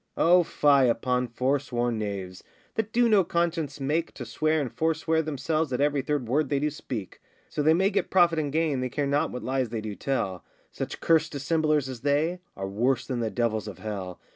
O fie upon forsworn knaves, That do no conscience make To swear and forswear themselves At every third word they do speak: So they may get profit and gain, They care not what lies they do tell; Such cursed dissemblers as they Are worse than the devils of hell.